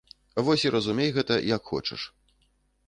Вось і разумей гэта як хочаш.